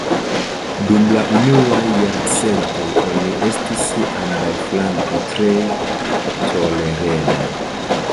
Dum la unuaj jarcentoj oni estis ambaŭflanke tre tolerema.